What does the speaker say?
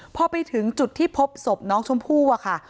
พอไปถึงจุดที่พบศพน้องชมพู่อะค่ะ